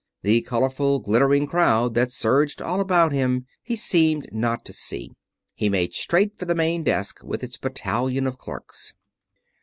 The colorful glittering crowd that surged all about him he seemed not to see. He made straight for the main desk with its battalion of clerks.